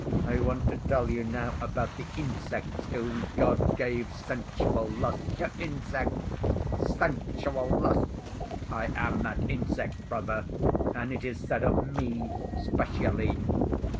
I want to tell you now about the insects to whom God gave "sensual lust." To insects—sensual lust. I am that insect, brother, and it is said of me specially.